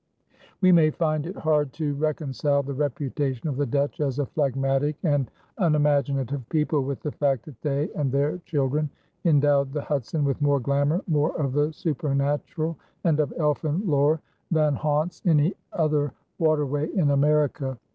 We may find it hard to reconcile the reputation of the Dutch as a phlegmatic and unimaginative people with the fact that they and their children endowed the Hudson with more glamour, more of the supernatural and of elfin lore than haunts any other waterway in America.